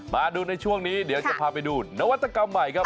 มาดูในช่วงนี้เดี๋ยวจะพาไปดูนวัตกรรมใหม่ครับ